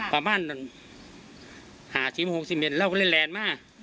ประมาณนั้น๕๖๑เราก็เลยแลนด์มา